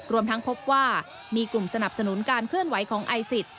รวมทั้งพบว่ามีกลุ่มสนับสนุนการเคลื่อนไหวของไอซิส